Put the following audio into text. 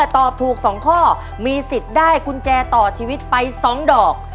ตอบถูก๒ข้อมีสิทธิ์ได้กุญแจต่อชีวิตไป๒ดอก